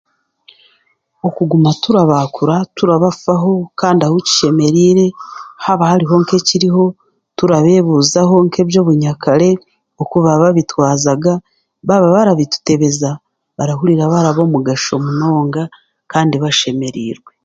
Okuguma turabaakura kurabafaho kandi ahu kishemereire turabeebuuzaho nk'eby'omunyakare oku baababitwazaga baababarabitutebeza barahurira bari ab'omugasho munonga kandi bashemereirewe